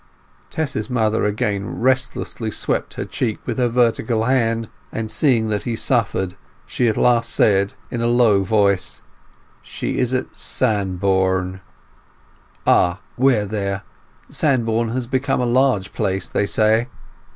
Tess's mother again restlessly swept her cheek with her vertical hand, and seeing that he suffered, she at last said, is a low voice— "She is at Sandbourne." "Ah—where there? Sandbourne has become a large place, they say."